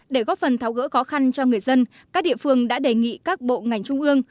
để góp phần tháo gỡ khó khăn cho người dân các địa phương đã đề nghị các bộ ngành trung ương